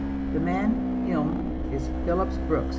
The man "him" is Phillips Brooks.